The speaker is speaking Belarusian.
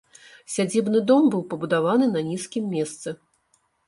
Сядзібны дом быў пабудаваны на нізкім месцы.